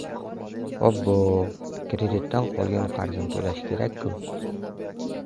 Obbo, kreditdan qolgan qarzini toʻlashi kerak-ku!